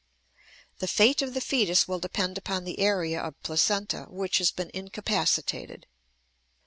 The fate of the fetus will depend upon the area of placenta, which has been incapacitated.